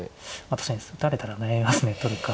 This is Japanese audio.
確かに打たれたら悩みますね取るか。